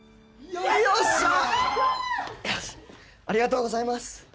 ありがとうございます。